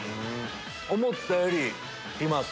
思ったよりきます